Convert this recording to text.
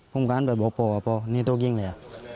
ผมกลางไปบอกพ่อว่าพ่อนี่ตัวยิงเลย